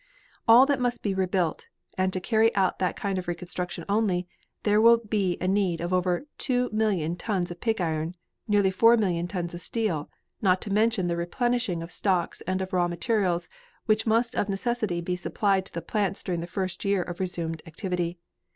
"All that must be rebuilt, and to carry out that kind of reconstruction only, there will be a need of over 2,000,000 tons of pig iron, nearly 4,000,000 tons of steel not to mention the replenishing of stocks and of raw materials which must of necessity be supplied to the plants during the first year of resumed activity.